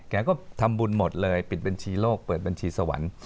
แกก็ทำบุญหมดเลยปิดบัญชีโลกเปิดบัญชีสวรรค์